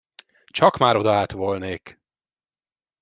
Csak már odaát volnék!